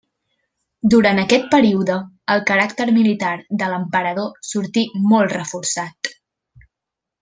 Durant aquest període, el caràcter militar de l'emperador sortí molt reforçat.